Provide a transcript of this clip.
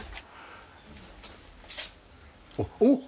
おっ！